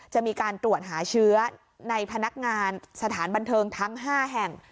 จะมีการตรวจหาเชื้อในพนักงานสถานบันเทิงทั้ง๕แห่ง